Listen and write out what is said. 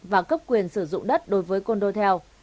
và cấp quyền sử dụng đất đối với condotel